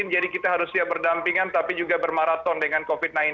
jadi kita harus siap berdampingan tapi juga bermaraton dengan covid sembilan belas